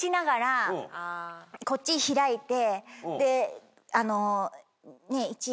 こっち開いて。